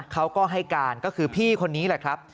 เขาก็ให้การก็คือพี่คนนี้แหละครับ